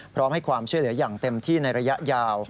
พร้อมให้ความช่วยเหลืออย่างเต็มที่ในระยะยาว